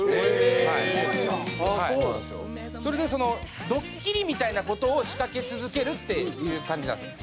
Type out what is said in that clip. それでそのドッキリみたいな事を仕掛け続けるっていう感じなんですよ